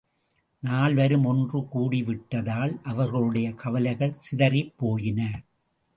நால்வரும், ஒன்று கூடிவிட்டதால் அவர்களுடைய கவலைகள் சிதறிப் போயின.